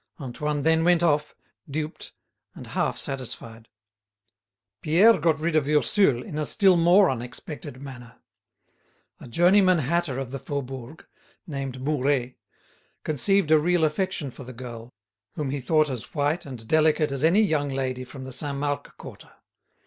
Antoine then went off, duped, and half satisfied. Pierre got rid of Ursule in a still more unexpected manner. A journeyman hatter of the Faubourg, named Mouret, conceived a real affection for the girl, whom he thought as white and delicate as any young lady from the Saint Marc quarter.